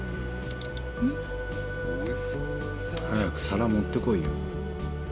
ん？早く皿持ってこいよ。